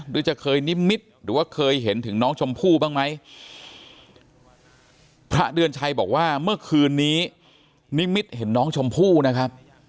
โดยจะเคยนิมิตหรือว่าเคยเห็นถึงน้องชมพู่บ้างไหมพระเดือนชัยบอกว่าเมื่อคืนนี้นิมิตเห็นน้องชมพู่นะครับ